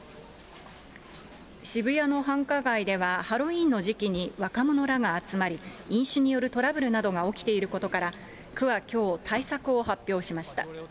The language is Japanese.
渋谷の繁華街では、ハロウィーンの時期に若者らが集まり、飲酒によるトラブルなどが起きていることから、区はきょう、対策を発表しました。